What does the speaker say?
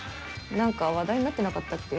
何か話題になってなかったっけ？